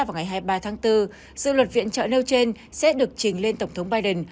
vào ngày hai mươi ba tháng bốn dự luật viện trợ nêu trên sẽ được trình lên tổng thống biden